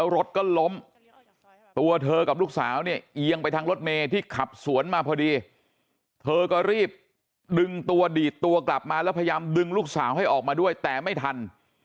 รถก็ล้มตัวเธอกับลูกสาวเนี่ยเอียงไปทางรถเมย์ที่ขับสวนมาพอดีเธอก็รีบดึงตัวดีดตัวกลับมาแล้วพยายามดึงลูกสาวให้ออกมาด้วยแต่ไม่ทัน